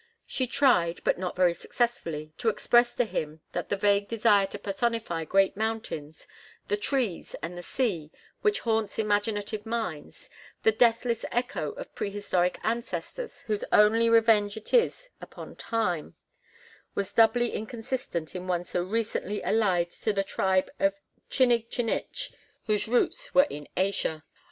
She tried, but not very successfully, to express to him that the vague desire to personify great mountains, the trees, and the sea, which haunts imaginative minds, the deathless echo of prehistoric ancestors, whose only revenge it is upon time, was doubly insistent in one so recently allied to the tribe of Chinigchinich, whose roots were in Asia.